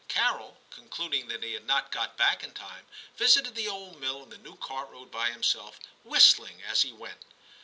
Carol, concluding that he had not got back in time, visited the old mill and the new cart road by himself, whistling as he went.